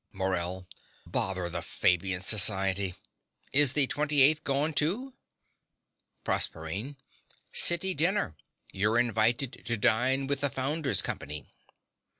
MORELL. Bother the Fabian Society! Is the 28th gone too? PROSERPINE. City dinner. You're invited to dine with the Founder's Company.